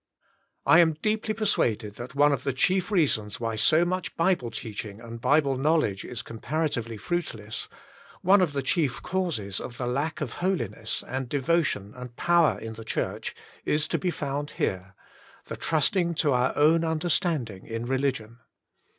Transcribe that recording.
I am deeply persuaded that one of the chief reasons why so much Bible teaching and Bible 64 The Heart and the Understanding 65 knowledge is comparatively fruitless, one of the chief causes of the lack of holiness, and devotion, and power in the Church, is to be found here — the trusting to our own understanding in religion.